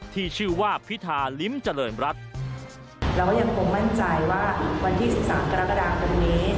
ที่ชื่อว่าพิธาลิ้มเจริญรัฐแล้วก็ยังคงมั่นใจว่าวันที่สิบสามกรกฎาคมนี้